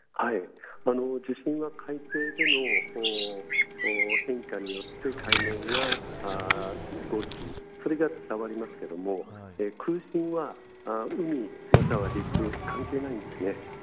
地震は海底での変化によって海面が動きそれが伝わりますけれども空振は海、または陸関係ないんですね。